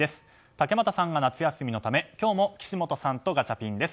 竹俣さんは夏休みのため今日も岸本さんとガチャピンです。